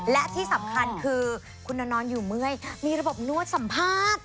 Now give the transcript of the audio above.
และที่สำคัญคือคุณนอนอยู่เมื่อยมีระบบนวดสัมภาษณ์